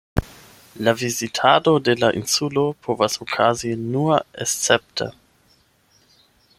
La vizitado de la insulo povas okazi nur escepte.